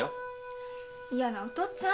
嫌なお父っつぁん。